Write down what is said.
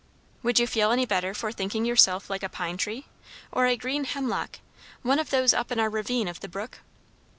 "Would you feel any better for thinking yourself like a pine tree? or a green hemlock? one of those up in our ravine of the brook?"